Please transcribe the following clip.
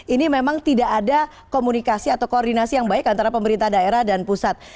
ini memang tidak ada komunikasi atau koordinasi yang baik antara pemerintah daerah dan pusat